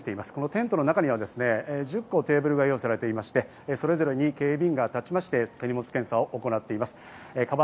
テントの中には１０個テーブルが用意されていて、それぞれに警備員が立って手荷物検査を行っています。